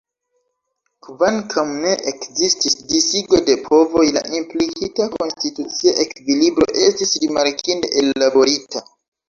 Kvankam ne ekzistis disigo de povoj, la implikita konstitucia ekvilibro estis rimarkinde ellaborita.